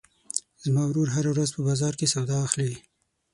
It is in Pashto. زما ورور هره ورځ په بازار کې سودا اخلي.